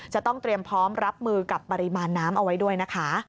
จะต้องเตรียมพร้อมรับมือกับปริมาณน้ำเอาไว้ด้วยนะคะ